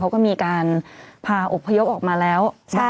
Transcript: เขาก็มีการพาอบพยพออกมาแล้ว